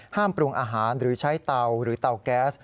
ปรุงอาหารหรือใช้เตาหรือเตาแก๊ส